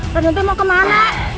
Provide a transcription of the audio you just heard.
tentu mau kemana